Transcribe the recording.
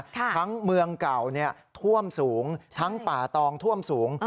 ทั้งเมืองเก่าท่วมสูงทั้งป่าตองท่วมสูง